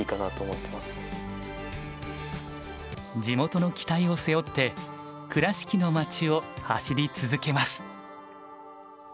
地元の期待を背負って倉敷の町を走り続けます。